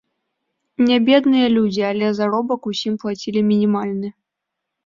Нябедныя людзі, але заробак усім плацілі мінімальны.